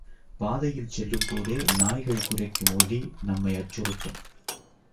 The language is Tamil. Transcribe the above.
பாதையில் செல்லும் போதே நாய்கள் குரைக்கும் ஒலி நம்மை அச்சுறுத்தும்.